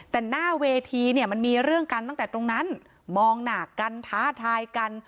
แต่หน้าเวทีเนี่ยมันมีเรื่องกันตั้งแต่ตรงนั้นมองหนากันท้าทายกัน